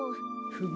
フム。